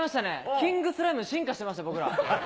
キングスライムに進化してました、僕ら。